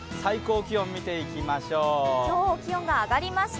今日、気温が上がりました。